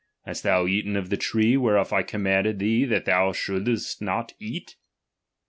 Hast thou eaten ^H of the tree, whereof I connnanded thee that thou ^^| shouldst not eat ?